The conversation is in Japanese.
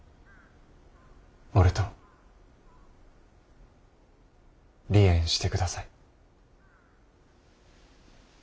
俺と離縁してください。